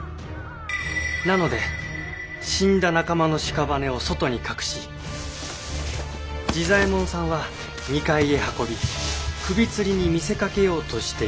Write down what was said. なので死んだ仲間のしかばねを外に隠し治左衛門さんは二階へ運び首つりに見せかけようとしていた。